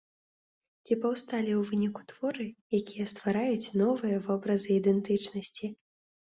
Ці паўсталі ў выніку творы, якія ствараюць новыя вобразы ідэнтычнасці?